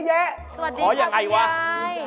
ขออย่างไรวะสวัสดีพระพิยาย